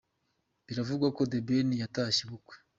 Biravugwa ko The Ben yatashye ubukwe.